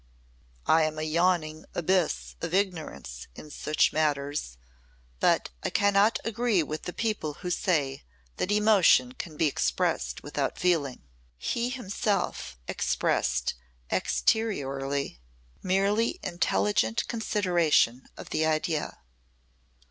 "I am a yawning abyss of ignorance in such matters, but I cannot agree with the people who say that emotion can be expressed without feeling." He himself expressed exteriorly merely intelligent consideration of the idea.